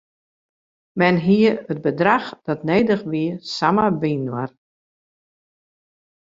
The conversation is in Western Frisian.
Men hie it bedrach dat nedich wie samar byinoar.